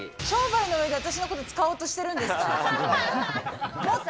商売の上で私のこと使おうとしてるんですか？